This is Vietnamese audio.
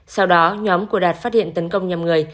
sau đó nhóm của đạt phát hiện tấn công nhầm người